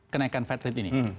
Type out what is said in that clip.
kenaikan fat rate ini